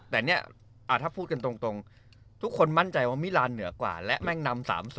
แต่เนี่ยถ้าพูดกันตรงทุกคนมั่นใจว่ามิลานเหนือกว่าและแม่งนำ๓๐